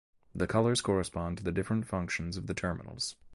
The colors correspond to the different functions of the terminals.